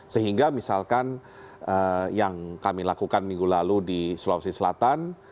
sehingga misalkan yang kami lakukan minggu lalu di sulawesi selatan